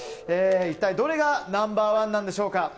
一体どれがナンバー１なんでしょうか。